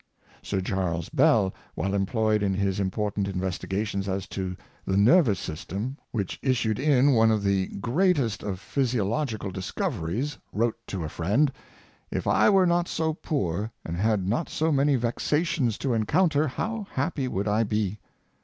Sir Charles Bell, while employed in his important investigations as to the nerv ous system, which issued in one of the greatest of phys iological discoveries, wrote to a friend: ''If I were not so poor, and had not so many vexations to encounter^ how happy would I be!"